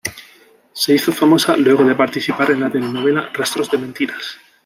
Se hizo famosa luego de participar en la telenovela "Rastros de mentiras".